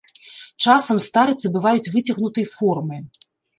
Часам старыцы бываюць выцягнутай формы.